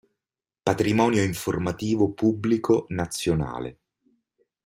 Patrimonio informativo pubblico nazionale.